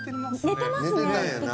寝てますね１匹。